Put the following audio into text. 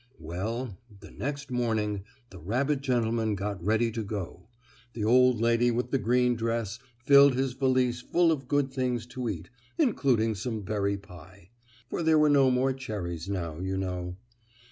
Well, the next morning the rabbit gentleman got ready to go. The old lady with the green dress filled his valise full of good things to eat, including some berry pie, for there were no more cherries now, you know.